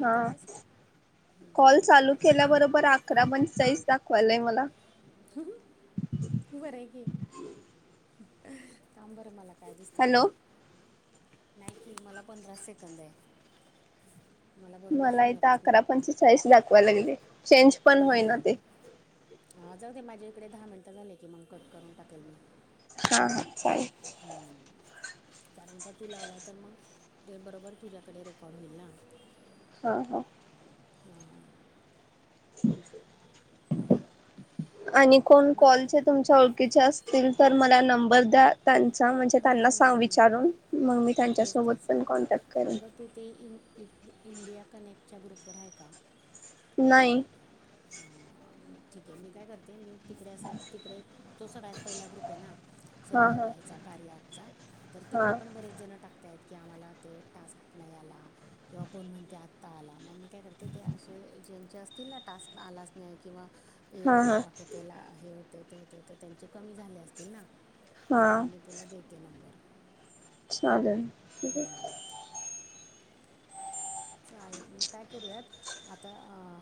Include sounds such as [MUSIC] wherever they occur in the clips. हा आवाज कॉल चालू नाही केल्याबरोबर अकरा म्हण जाईस दाखवायलाय मला. बर आहे की सांबर मला. काय दिसत बघ हॅलो नाही की मला पंधरा सेकंद आहे. बरोबर मला इथ शून्यापासनं अकरा पंचे चाळीस दाखवाय लागले चेंज पण ह होईना ते हा जाऊ दे माझ्या इकडे दहा मिनटं झाले की मग कट करून टाकेल मी हा हा सय कारण का तू लावला तर मग ते बरोबर तुझ्याकडे रेकॉर्ड होईल ना? हो हो. अच् आणि कोण मग कॉलचे तुमच्या ओळखीचे असतील तर मला नंबर द्या. त्यांचा म्हणजे त्यांना सां विचारून मग मी तेच त्यांच्यासोबत तेच पण कॉन्टॅक्ट करेन अगं तू ते इ इंडिया कनेक्टच्या ग्रुपवर आहे का? नाही. [UNINTELLIGIBLE] ठीक आहे मी काय करते मी तिकडे अस तिकडे तो सगळ्यात पहिला ग्रुप आहे ना. हा सन्म हा ह्याचा कार्य आमचा तर हा तिकडे पण बरेच जण टाकताहेत की आम्हाला ते टास्क नाही आला. किंवा कोण म्हणते आत्ता आला मग मी काय करते ते असे ज्यांचे असतील ना टास्क आलाच नाही किंवा हा एररस हा दाखवते ला हे होते ते होते ते त्यांचे कमी झाले असतील ना मग हा मी तुला देते नंबर. चालेल. हम्म. चाल मग काय करूयात आता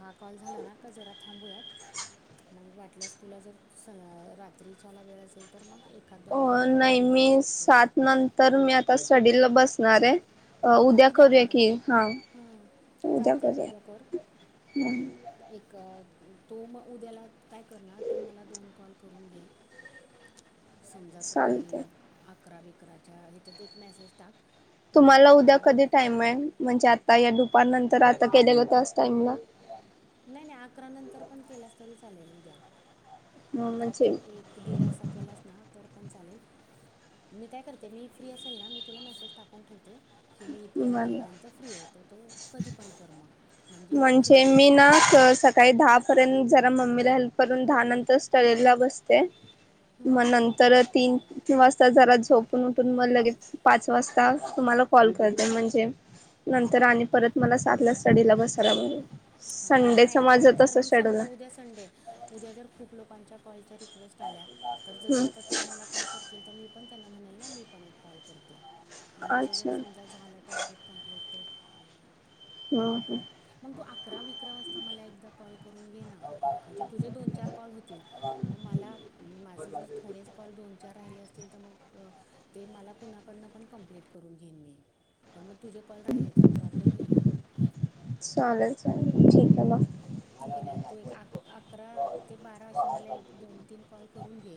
हा कॉल झाला ना का जरा थांबूयात मग वाटल्यास तुला जर स रात्रीच्याला वेळ असेल तर मग एक. अ नाही मी सात नंतर मी आता स्टडीला बसणार आहे. अ मग उद्या करूया कर कि हा हं, उद्या चालतंय करूया. कर ह. एक तो मग उद्याला काय करणार तू मला दोन कॉल करून घे. समजा सकाळी चालतंय. अकरा बकराच्या ह्याच्यात एक मेसेज टाक. पहिले तुम्हाला उद्या आणि कधी टाईम आहे म्हणजे आता या दुपार नंतर आता केलेलं टास्क नाही नाही अकरा नंतर पण केल्यास तरी चालेल उद्या ह अकरा म्हणजे ते एक. एक दीड असा केलाच ना तर पण चालेल. मी काय करते मी फ्री असेल ना मी तुला मेसेज टाकून ठेवते. की मी इतक्या मला वाजेपर्यंत फ्री आहे तो तो कधी पण कर मग मी म्हणजे मी उचलेलच ना. काही दहा पर्यंत जरा मम्मीला हेल्प करून दहा नंतर स्टडीला बसते. मग नंतर तीन वाजता जरा झोपून उठून मग लगेच पाच वाजता तुम्हाला कॉल करते म्हणजे नंतर आणि परत मला सातला स्टडीला बसायला बर. अं, संडेच नाही मजा कारण जर तस मग शेड्यूल समजा आहे. उद्या उद्या तर खूप लोकांच्या कॉलचा रिक्वेस्ट आल्या तर आहे. जसा आता ते मला कॉल करतील तर मी पण त्यांना म्हणाल ना मी पण एक कॉल करते. मग माझं जर अच्छा समजा झालं टार्गेट कं्प्लीट तर ह ह. मग तू अकरा विक्र वाजता मला एकदा कॉल करून घेण. म्हणजे तुझे दोन चार कॉल होतील. मग मला माझे जर थोडेच कॉल दोन चार राहिले असतील तर मग ते मला कुणाकडनं पण कम्प्लीट करून घेन मी पण मग तुझे कॉल राहिले तर प्रॉब्लेम होईल ना. चालेल चल. ठीक आहे म ठीक आहे ना तू एक अकरा ते बारा असे मला एक दोन तीन कॉल करून घे.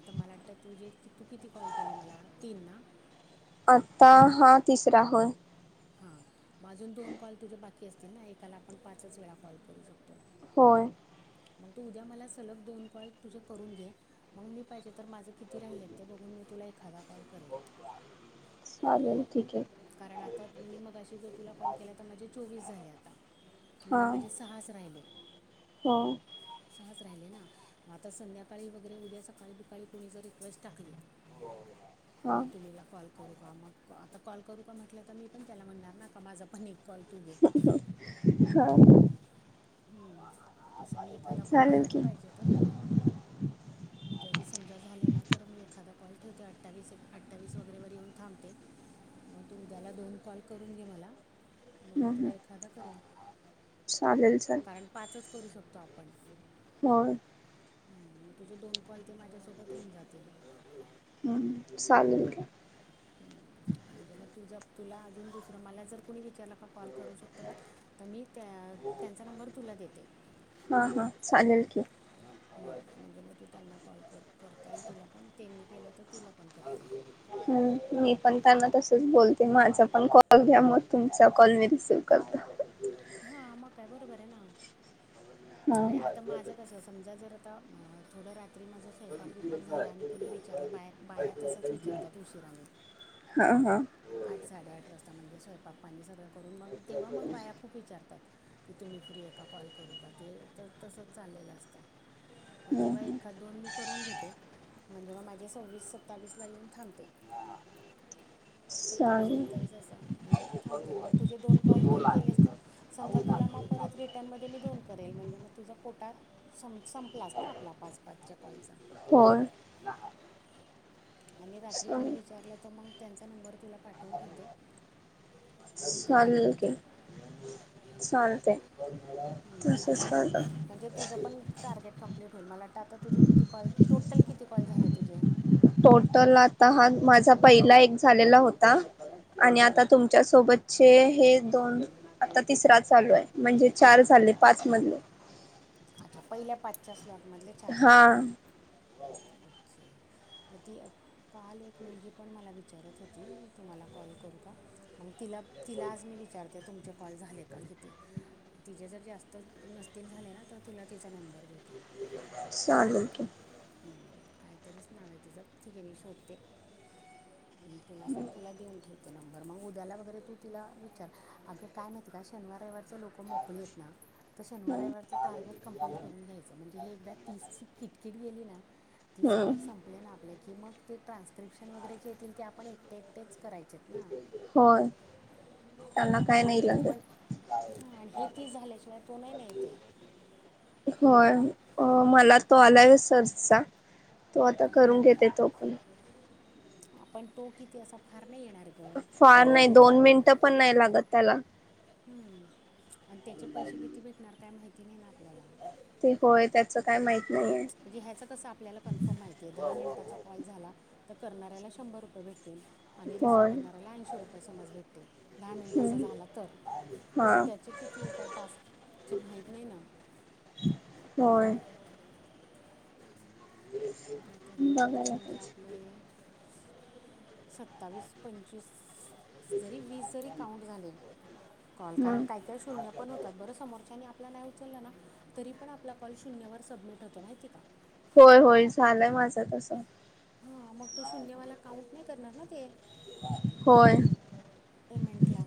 आता मला वाटतं तु जे तू किती कॉल केले मला तीन ना. आत्ता हा तिसरा होय. हा आजून दोन कॉल तुझ्या बाकी असतील ना एकाला आपण पाचच वेळा कॉल करू शकतो. होय. मग तू उद्या मला सलग दोन कॉल तुझे करून घे. मग मी पाहिजे तर माझं किती राहिल आहेत ते बघून मी तुला एखादा कॉल करेल चालेल ठीक आहे कारण आता मी मगाशी जो तुला कॉल केला तर माझे चोवीस झाले आता हा म्हणजे माझे सहाच राहिले हो सहज राहिले ना म आता संध्याकाळी वगैरे उद्या सकाळी बिकाळी कोुणीच रिक्वेस्ट टाकली हा हे त नला कॉल करू का आमग आता कॉल करू का म्हटलं तर मी पण त्याला म्हणणार ना का माझा पण एक कॉलू घे हा ह तसं मी एखादा कॉल चालेल ठेवते की पाहिजे तर जरी समजा झाले ना तर मी एखादा कॉल ठेवते अवीस अठ्ठावीस वगैरेवर येऊन थांबते मग तू उद्याला दोन कॉल करून घे मला मग मी हम्म हम्म तुला एखादा करेन चालेल चालेल कारण पाचच करू शकतो आपण हो म तुझे दोन कॉल ते माझ्यासोबत होऊन जातील हम्म चालेल का म्हणजे मग तुझ तुला अजून दुसरं मला जर कोणी विचारलं का कॉल करू शकतं का तर मी त्या त्यांचा नंबर तुला देते हा हा चालेल की ह म्हणजे मग तू त्यांना कॉल करता येईल तुला पण त्यांनी केला तर तुला पण करता येईल हम्म मी पण त्यांना तसच बोलते माझा पण कॉल घ्या मग तुमचा कॉल मी रिसीव करते हा मकाय बरोबर आहे ना हा म्हणजे आता माझं कसं समजा जर आता थोडं रात्री माझं खेळपाक दिवपाक झाला आणि कुणी विचारलं बाया बाया तसंच विचारतात उशिराने हा हा आठ साडेआठ वाजता म्हणजे स्वयंपाक पाणी सगळं करून मग तेव्हा मग बाया खूप विचारतात की तुम्ही फ्री आहे का कॉल करू का ते तर तसंच चाललेलं असतं मग हम्म तेव्हा हम्म एखा दोन् करून घेते म्हणजे मग माझे सव्वीस सत्तावीस ला येऊन थांबते सत्तावीस चालेल बेताळीस अस म्हणजे थांबते मग तुझे दोन कॉल तू केलेस तर समजा तुला मग परत रिटर्न म मी दोन करेल म्हणजे मग तुझा कोटा क्लास ना आपला पाच पाचच्या कॉलचा होर आणि रात्री कोणी चालेल विचारलालं तर मग त्यांचा नंबर तुला पाठवून ठेवते मग तू त्यांना विचार चालते हं, असं करू तसचत म्हणजे तुझं पण टार्गेट कंप्लीट होईलला वाटत आता तुझ किती कॉल टोट किती कॉल झाले तुझे टोटल आता हा माझा पहिला एक झालेला होता आणि हं. आता तुम त सोबतचे हे दोन आता तिसरा चालू आहे म्हणजे चार झाले पाच म अच्छा पहिल्या पाचच्या स्लॉट मधले हा ओके ती काल एक मुलगी पण मला विचारत होती तुम्हाला कॉल करू का तिला तिला आज मी विचारतो ते तुमचे कॉल झाले का किती तिचेे जर जास्त नसतील झाले ना तर तुला तिचा नंबर घेते सलकम काहीतरीच नाव आहे तिचं ठीक आहे मी शोधते आणि तुला तुला देऊन ठेव ते नंबर मग उद्याला वगैरे तू तिला विचार अगं काय माहत का शनवार रवारचा लोक मोकलीत ना तर शनिवार हम्म रविवारच टार्गेट कंप्लेट करून घ्यायचं म्हणजे हे एकदा तीसची किटकिट गेली ना तीस कॉल संप आपल्याला ना आपल्या की मग ते ट्रान्स्क्रिप्शन वगैरे जे येतील ते आपण एकटे एकटेच करायचे आहेत ना होय ह त्याला काय नाही म्हणजेत पण लागत हा आणि हे तीस झाल्याशिवाय तो नाही नाही ना येते होय मला तो आलाय सर्चचा तो आता करून घेते तो पण आपण तो किती असा फार नाही येणार गं फार किती नाही आले तर दोन मिनिटं पण नाही लागत त्याला हम् आणि त्याचे पैसे किती भेटणार काय माहिती नाही ना आपल्याला होय त्याचं काय माहित नाहीये म्हणजे ह्याचा कसा आपल्याला कन्फर्म माहितीये दहा मिनंटाचा कॉल झाला तर करणाऱ्याला शंभर रुपये भेटेल आणि रिसीव्ह होय करणारऱ्याला ऐंशी रुपये समज भेटतील दहा मिनिटाचा हम्म झाला तर पण हा त्याचे किती एका टास्कचे माहीत नाही ना होय म्हणजे आता हे जरी बघायला समजा पाहिजे आपले सत्तावीस पंचवीस जरी वीस जरी काउंट झाले कॉल कारण हम्म काही काही शून्य पण होतात बरं समोरच्यानी आपला नाही उचलला ना तरी पण आपला कॉल शून्यवर सबमिट होतो माहिती का? होय होय झालंय माझं तसं हा मग तो शून्यवाला काउन्ट नाही करणार ना ते होय पेमेंटला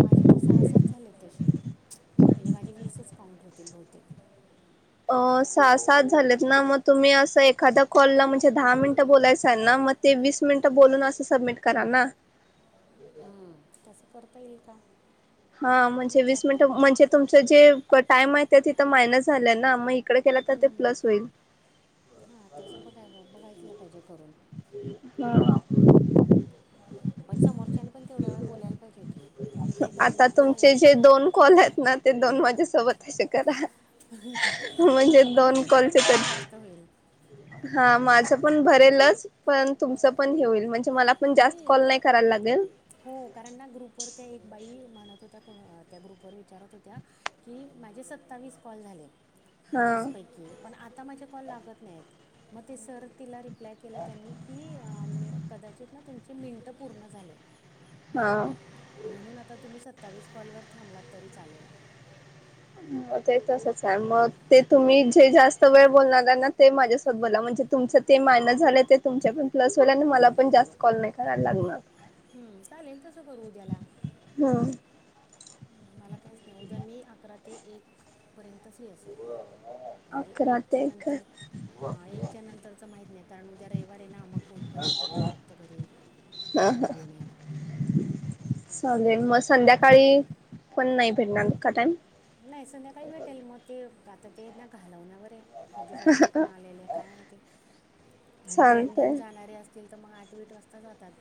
माझे तर सहा सात झालेत तसे म्हणजे माझे वीसच काउंट होतील बहुतेक अ सहा सात झालेत ना मग तुम्ही असं एखादा कॉलला म्हणजे दहा मिनिटं बोलायचं असलं ना मग ते वीस मिनिटं बोलून असं सबमिट करा ना हम्म तसं करता येईल का? हा म्हणजे येईल वीस मिनिट वाटतं म्हणजे तुमचं जे टाइम आहे त्या तिथं मायनस झालं ना म इकडं केला तर तो प्लस होईल हा तसं बघाय बघायलाच पाहिजे करून हा पण समोरच्याने पण तेवढ्या वेळ बोलायला पाहिजे की इकडे दहा आता मिनटं झाला तुमचे जे दोन कॉल आहेत ना ते दोन माझ्यासोबतच करा म्हणजे हां दोन तुझा पण कॉलचे तर टाईम जास्त होईल हा माझ पण भरेलच पण तुमच पण हे होईल म्हणजे मला पण जास्त कॉल नाही कराय लागल हो कारण ना ग्रुपवर त्या एक बाई म्हणत होत्या त्या ग्रुपवर विचारत होत्या कि माझे सत्तावीस कॉल झाले हा तीसपैकी पण आता माझे कॉल लागत नाहीत मग ते सर तिला रिप्लाय केला त्यांनी की अ कदाचित ना तुमची मिनटं पूर्ण झाले हा म्हणून आता तुम्ही सत्तावीस कॉलवर थांबलात तरी चालेल हो ते तसच हाय मग ते तुम्ही जे जास्त वेळ बोलणार ना ते माझ्यासोबत बोला म्हणजे तुमचं ते मायनस झालं ते तुमचं पण प्लस होईल आणि मला पण जास्त कॉल नाही करायला लागणार हम् चालेल तसं करू उद्याला हमम मला काहीच नाही उद्या मी अकरा ते एक पर्यंत फ्री असेल म्हणजे अकरा एकच्या ते काय नंतर हा एकच्या नंतरच माहित नाही कारण उद्या रविवार आहे ना मग कोण पण येतं टपकतं घरी पाणे पिऊणे चालेल मग संध्याकाळी पण नाही भेटणार का टाइम नाही संध्याकाळी भेटेल म ते आता ते ना घालवन्या वर आये. कधी जातील कोण आलेले काय माहिते जेऊन चालतंय. बीऊन जाणारे आस तील तर मग आठ वीट वाजता जातात.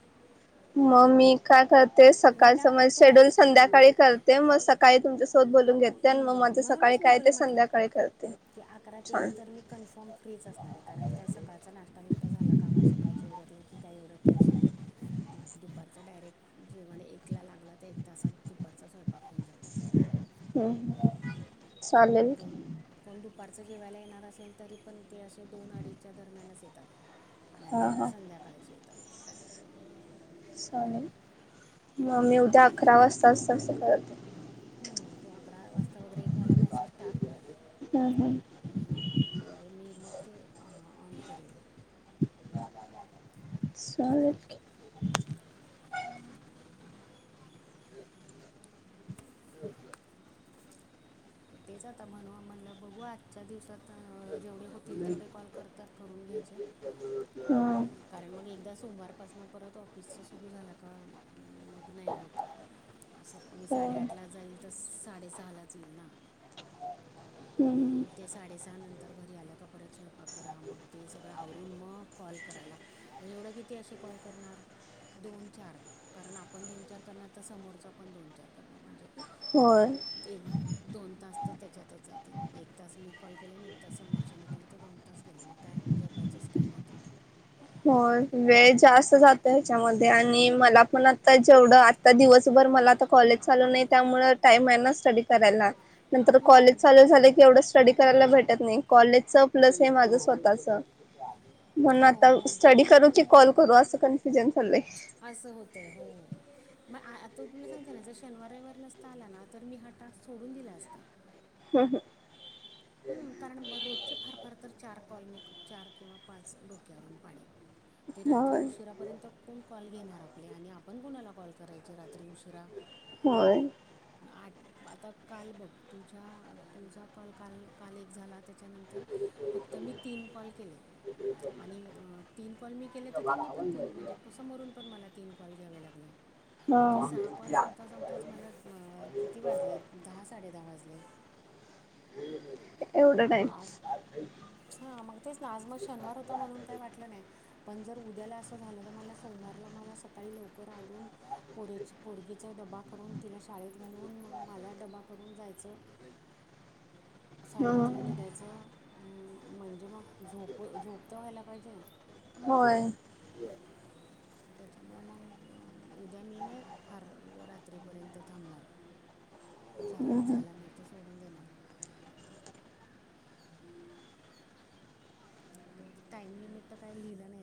मग मी काय करते मी ना सकाळचं मग तू शेड्यूल मॅस हां संध्याकाळी करते मग सकाळी तुम शोध बोलून घेते आणि मग हं, माझं सकाळी काय ते संध्याकाळी करते. ते अकरा ते एक छान तर मी कन्फर् फ्रीच असते. णार कारण काय सकाळचा नाष्ट्ता बिष्टा झाला कामा सकाळचे एवढत नाही की काही एवढं टेन्शन नाही. म दुपारचा डायरेक्ट जेवण एकला लागला तर एक तासात दुपारचा स्वयंपाक होऊन जातो. हम् आणि चालेल. कोण कोण दुपारचं जेवायला येणार असेल तरी पण ते असे दोन अडीच्या दरम्यानच येतात. नाहीतर हा मग हा संध्याकाळची येतात. चालेल म मी मग उद्या ते अकरा वाजता असं असं करते. हं तू अकरा वाजता वगैरे एक मला मेसेज टाक. हम् हम्. आणि म्हणजे मी मग ते ऑन करेल. स्वागत. तेच आता म्हणू म्हणलं बघू आजच्या दिवसात जेवढे होतील तेवढे कॉल करतात करून घयच्या हम्म कारण मग एकदा सोमवारपासना परत ऑफिसच सुरू झालं का मग नाही होत सत मी हो. साडेआठला जाईल तर साडेसहालाच येईल ना हम्म ते साडेसहा नंतर घरी आलं का परत स्वयंपाक करा मग ते सगळं आवरडून मग कॉल करायला ? एवढं किती असे कॉल करणार दोन चार कारण आपण दोन चार करणार तर समोरच पण दोन चार करणार म्हणजे. होय. एक दोन तास तर त्याच्यातच जातील एक तास मी कॉल केले आणि एक तास समोरच्याने केले. दोन तास गेले मग काय झोपायचच टाईम होतो. होय वेळ जास्त जातो ह्याच्यामध्ये आणि मला पण आता तेवढं आता दिवसभर मला आता कॉलेज चालू नाही त्यामुळ टाइम आहे ना स्टडी करायला. नंतर कॉलेज चालू झाले की एवढं स्टडी करायला भेटत नाही कॉलेजच प्लस हे माझं स्वतःच हो मग. मी की कॉल करू असं कनफ्युजन चाललंय. आसं होतंय हो. म आ आता तूला सांगते ना जर शनवार रववार नसता आला ना तर मी हा टास सोडून दिला आसता. हं हं. हम कारण रोजचे फार फार तर चार कॉल मी चार किंवा पाच डोक्यावरून पाणी ते रात्री होय उशीरा पर्यंत कोण कॉल घेणार आपले आणि आपण कोणाला कॉल करायचे रात्री उशिरा? हो. आ आता काल बघ तुझ्या तुझा कॉल काल काल एक झाला. त्याच्यानंतर फक्त मी तीन कॉल केले. आणि अ तीन कॉल मी केले त त्यांनी पण तीन म्हणजे समोरून पण मला तीन कॉल घ्यावे लागले. म्हणजे सहा कॉल हा. समता समताच मला किती वाजले दहा साडे दहा वाजले. एवढं. टाईम आज हा मग तेच ना आज मग शनवार होता म्हणून काही वाटलं नाही. पण जर उद्याला असं झालं तर मला सोमवारला मला सकाळी लवकर आवरुन पोरीचं पोरगीचा डबा करून तिला शाळेत घालवून माला डबा करून जायचं. साडेआठला हम्म निघायचं अन म्हणजे मग झोप झोप त व्हायला पाहिजे होय त्याच्यामुळ मंग उद्या मी नाही फार उद्या रात्रीपर्यंत थांबणार. झाला झाला मी त सोडून देणार. [UNINTELLIGIBLE] टाइम लीमिट त काय लिहिलं नाही.